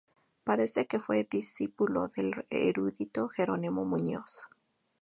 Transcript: Parece que fue discípulo del erudito Jerónimo Muñoz.